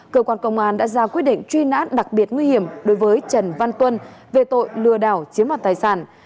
cơ quan công an đã ra quyết định truy nã đặc biệt nguy hiểm đối với trần văn tuân về tội lừa đảo chiếm đoạt tài sản